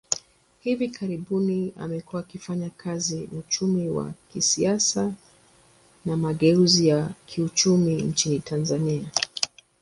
Hivi karibuni, amekuwa akifanya kazi uchumi wa kisiasa wa mageuzi ya kiuchumi nchini Tanzania.